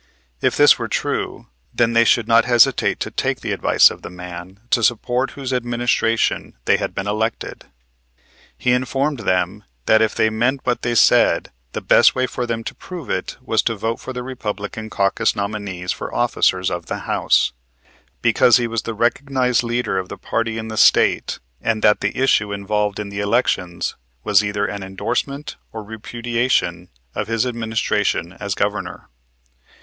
If this were true then they should not hesitate to take the advice of the man to support whose administration they had been elected. He informed them that if they meant what they said the best way for them to prove it was to vote for the Republican caucus nominees for officers of the House, because he was the recognized leader of the party in the State and that the issue involved in the elections was either an endorsement or repudiation of his administration as Governor.